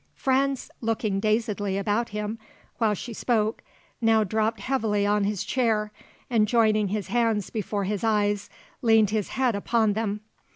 Franz, looking dazedly about him while she spoke, now dropped heavily on his chair and joining his hands before his eyes leaned his head upon them.